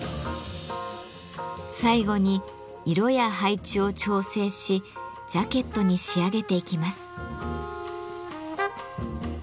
最後に色や配置を調整しジャケットに仕上げていきます。